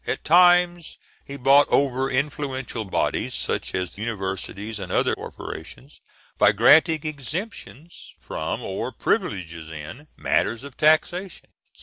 At times he bought over influential bodies, such as universities and other corporation, by granting exemptions from, or privileges in, matters of taxation, &c.